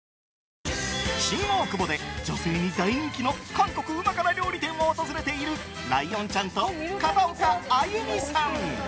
新大久保で女性に大人気の韓国うま辛料理店を訪れているライオンちゃんと片岡安祐美さん。